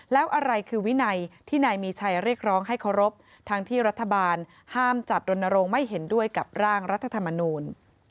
แล้วอะไรคือวินัยที่นายมีชัยเรียกร้องให้เคารพทั้งที่รัฐบาลห้ามจัดรณรงค์ไม่เห็นด้วยกับร่างรัฐธรรมนูล